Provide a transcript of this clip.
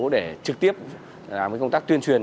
để trực tiếp làm công tác tuyên truyền